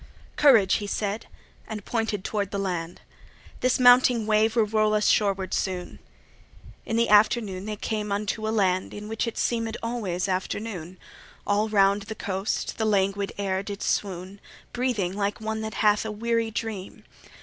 "Courage!" he said, and pointed toward the land, "This mounting wave will roll us shoreward soon." In the afternoon they came unto a land, In which it seemed always afternoon. All round the coast the languid air did swoon, Breathing like one that hath a weary dream.